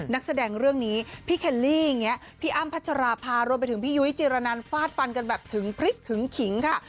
นักแสดงเรื่องนี้พี่เคลลี่อย่างนี้พี่อ้ำพัชราภารวมไปถึงพี่ยุ้ยจิรนันฟาดฟันกันแบบถึงพริกถึงขิงค่ะ